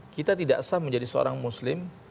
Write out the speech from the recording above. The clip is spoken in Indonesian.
kita tidak sah menjadi seorang muslim